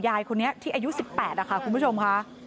แล้วหลานสาวยายคนนี้ที่อายุ๑๘ค่ะคุณผู้ชมค่ะ